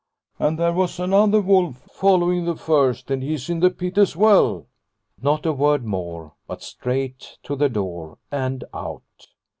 " And there was another wolf following the first, and he's in the pit as well." Not a word more, but straight to the door and out.